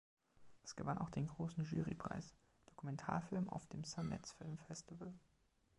Es gewann auch den Großen Jury Preis: Dokumentarfilm auf dem Sundance-Filmfestival.